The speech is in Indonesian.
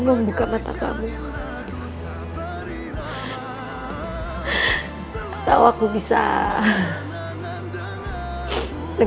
hormatnya melatih es kaki di itan